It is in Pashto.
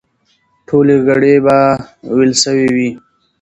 ټولې ګړې به وېل سوې وي.